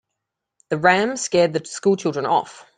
The ram scared the school children off.